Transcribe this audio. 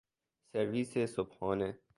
سرویس صبحانه